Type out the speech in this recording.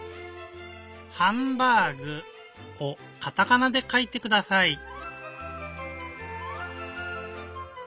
「ハンバーグ」をカタカナでかいてください。